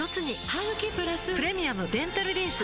ハグキプラス「プレミアムデンタルリンス」